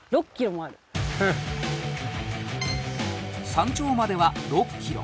山頂までは６キロ